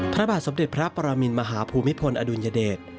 พระบาทสมเด็จพระปรมินมหาภูมิพลอดุลยเดช